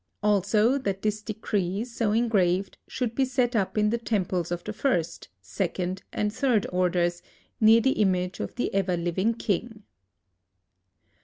Also, that this decree, so engraved, should be set up in the temples of the first, second and third orders, near the image of the ever living King.